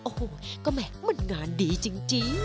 โอ้โหก็แหม่มันงานดีจริง